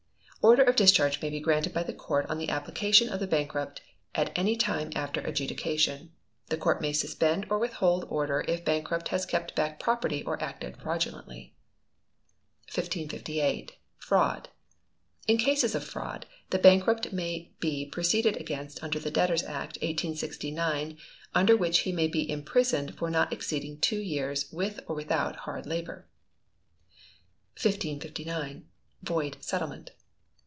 Order of discharge may be granted by the Court on the application of the bankrupt at any time after adjudication. The Court may suspend or withhold order if bankrupt has kept back property or acted fraudulently. 1558. Fraud. In cases of fraud, the bankrupt may be proceeded against under the Debtors Act, 1869, under which he may be imprisoned for not exceeding two years with or without hard labour. 1559. Void Settlement.